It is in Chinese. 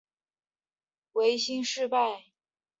维新事败。